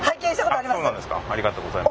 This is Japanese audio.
ありがとうございます。